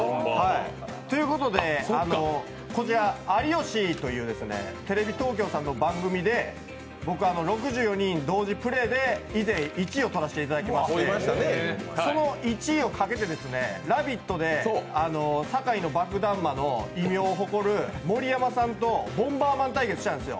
ということでこちら、「有吉ぃぃｅｅｅｅｅ！」というテレビ東京さんの番組で僕、６４人同時プレーで以前、１位を取らせていただきましてその１位をかけて「ラヴィット！」で堺の爆弾魔の異名を誇る盛山さんと「ボンバーマン」対決したんですよ。